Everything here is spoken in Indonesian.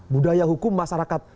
budaya hukum masyarakat